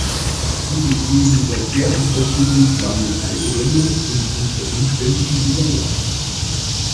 Sie bestehen über sehr unterschiedlich lange Zeiträume und unter Umständen über Jahre.